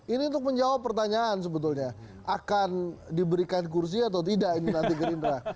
ini untuk menjawab pertanyaan sebetulnya akan diberikan kursi atau tidak ini nanti gerindra